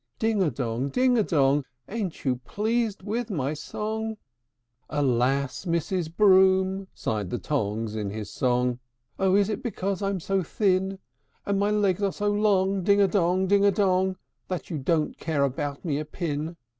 Ding a dong, ding a dong! Ain't you pleased with my song?" III. "Alas! Mrs. Broom," sighed the Tongs in his song, "Oh! is it because I'm so thin, And my legs are so long, ding a dong, ding a dong! That you don't care about me a pin?